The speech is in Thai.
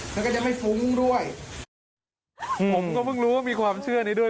แล้วก็จะไม่ฟุ้งด้วยผมก็เพิ่งรู้ว่ามีความเชื่อนี้ด้วย